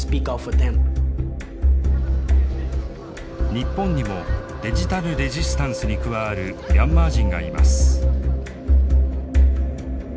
日本にもデジタル・レジスタンスに加わるミャンマー人がいます。